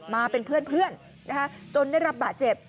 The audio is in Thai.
มาเป็นเพื่อนจนได้รับบาดเจ็บ